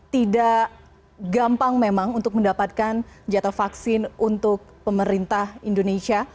tidak gampang memang untuk mendapatkan jatah vaksin untuk pemerintah indonesia